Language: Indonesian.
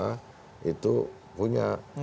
penguasa itu punya